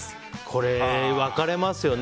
これ、分かれますよね。